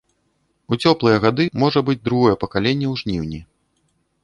У цёплыя гады можа быць другое пакаленне ў жніўні.